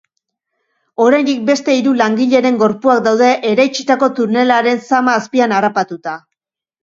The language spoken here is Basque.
Oraindik beste hiru langileren gorpuak daude eraitsitako tunelaren zama azpian harrapatuta.